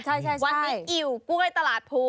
ใช่ค่ะวันนี้อิ่วกล้วยตลาดภู